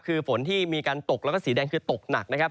คือฝนที่มีการตกแล้วก็สีแดงคือตกหนักนะครับ